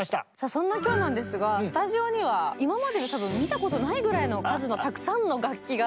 そんな今日なんですがスタジオには今までに多分見たことないぐらいの数のたくさんの楽器が。